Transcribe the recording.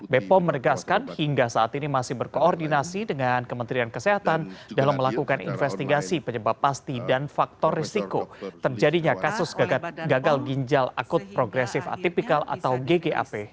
bepom menegaskan hingga saat ini masih berkoordinasi dengan kementerian kesehatan dalam melakukan investigasi penyebab pasti dan faktor risiko terjadinya kasus gagal ginjal akut progresif atipikal atau ggap